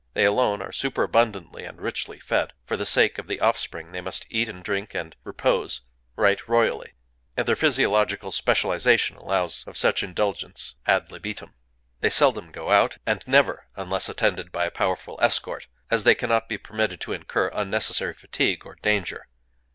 They alone are superabundantly and richly fed:—for the sake of the offspring they must eat and drink and repose right royally; and their physiological specialization allows of such indulgence ad libitum. They seldom go out, and never unless attended by a powerful escort; as they cannot be permitted to incur unnecessary fatigue or danger.